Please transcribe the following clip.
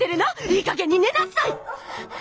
いいかげんにねなさい！